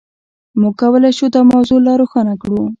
موږ کولای شو دا موضوع لا روښانه کړو.